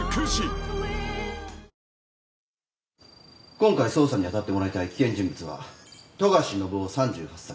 今回捜査に当たってもらいたい危険人物は富樫伸生３８歳。